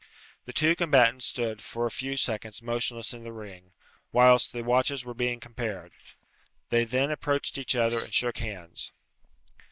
The two combatants stood for a few seconds motionless in the ring, whilst the watches were being compared. They then approached each other and shook hands.